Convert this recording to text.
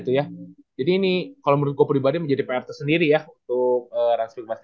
tadi ada dewa lawan trans